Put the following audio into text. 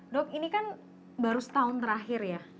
dok ini kan baru setahun terakhir ya